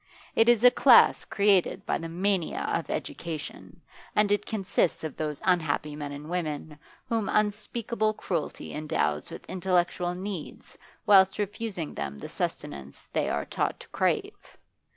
It is a class created by the mania of education, and it consists of those unhappy men and women whom unspeakable cruelty endows with intellectual needs whilst refusing them the sustenance they are taught to crave.